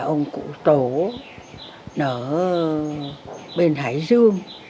ông cụ tổ ở bên hải dương